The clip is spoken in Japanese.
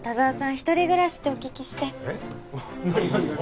一人暮らしってお聞きして何だ？